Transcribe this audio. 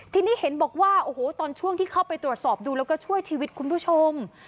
ทีนี้เห็นบอกว่าโอ้โหตอนช่วงที่เข้าไปตรวจสอบดูแล้วก็ช่วยชีวิตคุณผู้ชม